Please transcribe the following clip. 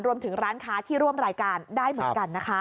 รวมถึงร้านค้าที่ร่วมรายการได้เหมือนกันนะคะ